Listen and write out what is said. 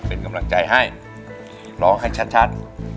เป็นกำลังใจให้ร้องให้ชัด